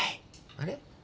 あれ？